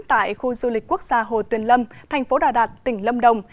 tại khu du lịch quốc gia hồ tuyền lâm thành phố đà đạt tỉnh lâm đồng